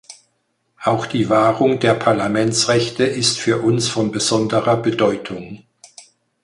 Auch die Wahrung der Parlamentsrechte ist für uns von besonderer Bedeutung.